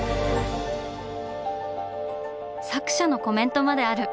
作者のコメントまである！